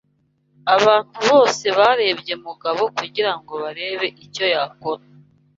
Abantu bose barebye Mugabo kugirango barebe icyo yakora.